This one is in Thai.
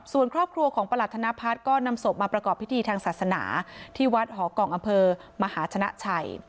ส่วนครอบครัวของประหลัดธนพัฒน์ก็นำศพมาประกอบพิธีทางศาสนาที่วัดหอกล่องอำเภอมหาชนะชัย